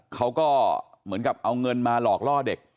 เขาก็เหมือนกับเอาเงินมาหลอกล่อเด็ก